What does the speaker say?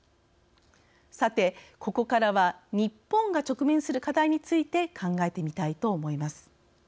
さて、ここからは日本が直面する課題について考えてみたいと思います。